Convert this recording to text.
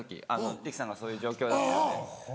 力さんがそういう状況だったんで。